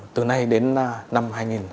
từ nay đến năm hai nghìn hai mươi năm